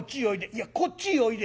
いやこっちへおいで。